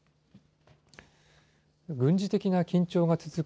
軍事的な緊張が続く